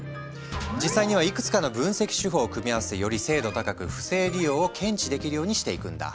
実際にはいくつかの分析手法を組み合わせてより精度高く不正利用を検知できるようにしていくんだ。